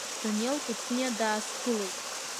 Данел Кәыҵниа даасԥылеит.